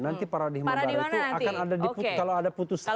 nanti paradigma baru itu akan ada kalau ada putusan